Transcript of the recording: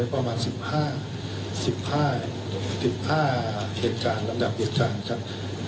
ประมาณ๑๕๑๕เหตุการณ์ลำดับเหตุการณ์ครับ